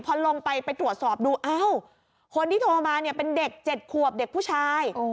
พอลงไปไปตรวจสอบดูเอ้าคนที่โทรมาเนี่ยเป็นเด็ก๗ขวบเด็กผู้ชาย